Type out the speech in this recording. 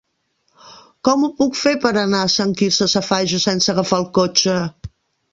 Com ho puc fer per anar a Sant Quirze Safaja sense agafar el cotxe?